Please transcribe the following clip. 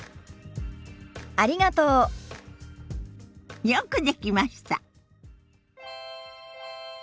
ありがとう。よくできました。